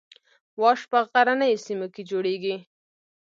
واش په غرنیو سیمو کې جوړیږي